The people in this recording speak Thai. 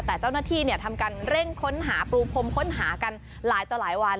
แต่เจ้าหน้าที่ทำการเร่งค้นหาปรูพรมค้นหากันหลายต่อหลายวัน